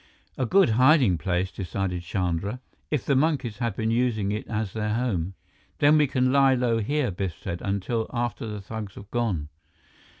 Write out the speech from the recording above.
"A good hiding place," decided Chandra, "if the monkeys have been using it as their home." "Then we can lie low here," Biff said, "until after the thugs have gone."